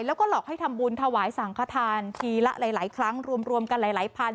แล้วก็หลอกให้ทำบุญถวายสังขทานทีละหลายครั้งรวมกันหลายพัน